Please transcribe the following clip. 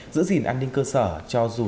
giữ gìn an ninh cơ sở cho dù